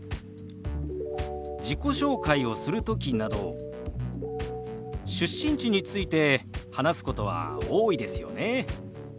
自己紹介をする時など出身地について話すことは多いですよね。